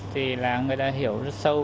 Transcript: thì là người ta hiểu rất sâu